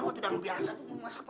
kau tidak lebih biasa